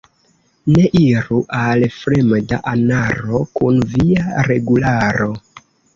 Ne iru al fremda anaro kun via regularo.